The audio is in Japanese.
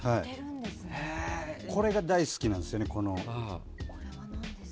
これが大好きなんですよね。